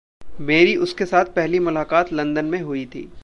मेरी उसके साथ पहली मुलाकात लंदन में हुई थी।